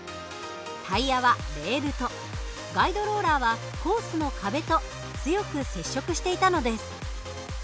タイヤはレールとガイドローラーはコースの壁と強く接触していたのです。